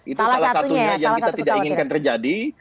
itu salah satunya yang kita tidak inginkan terjadi